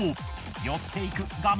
寄っていく画面